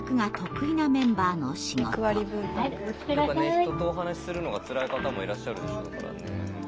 人とお話しするのがつらい方もいらっしゃるでしょうからね。